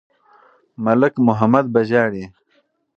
ملک محمد به ژاړي.